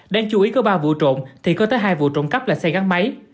đang chú ý có ba vụ trộm thì có tới hai vụ trộm cấp là xe gắn máy